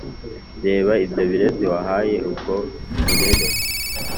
Reba ibyo birezi Wahaye ubwo burere